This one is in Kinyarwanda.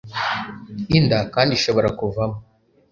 Inda kandi ishobora kuvamo,